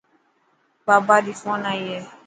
بابا ري فون آئي هي.